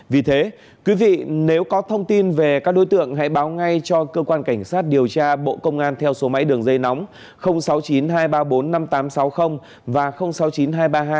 vì thế quý vị nếu có thông tin về các đối tượng hãy báo ngay cho cơ quan cảnh sát điều tra bộ công an theo số máy đường dây nóng sáu mươi chín hai trăm ba mươi bốn năm nghìn tám trăm sáu mươi và sáu mươi chín hai trăm ba mươi hai một nghìn sáu trăm sáu mươi bảy hoặc cơ quan công an nơi gần nhất